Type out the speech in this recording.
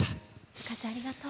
風花ちゃん、ありがとう。